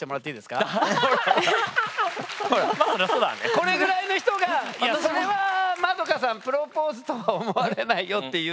これぐらいの人がそれは円さんプロポーズとは思われないよっていう。